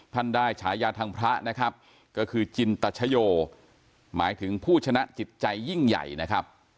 ได้ฉายาทางพระนะครับก็คือจินตชโยหมายถึงผู้ชนะจิตใจยิ่งใหญ่นะครับ